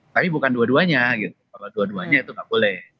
tapi bukan dua duanya gitu kalau dua duanya itu nggak boleh